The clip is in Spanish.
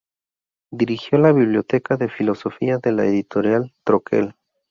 Dirigió la "Biblioteca de Filosofía" de la editorial Troquel.